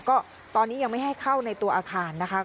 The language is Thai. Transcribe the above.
ก็ตอนนี้ยังไม่ให้เข้าในตัวอาคารนะคะ